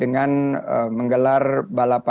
dengan menggelar balapan f satu di mandalika